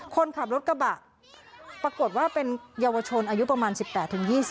คนขับรถกระบะปรากฏว่าเป็นเยาวชนอายุประมาณ๑๘๒๐